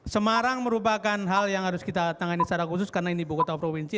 semarang merupakan hal yang harus kita tangani secara khusus karena ini ibu kota provinsi